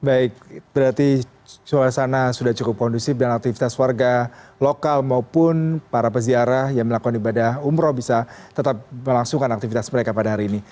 baik berarti suasana sudah cukup kondusif dan aktivitas warga lokal maupun para peziarah yang melakukan ibadah umroh bisa tetap melangsungkan aktivitas mereka pada hari ini